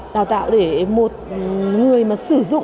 đào tạo để một người mà sử dụng